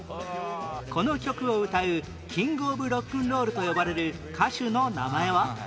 この曲を歌うキング・オブ・ロックンロールと呼ばれる歌手の名前は？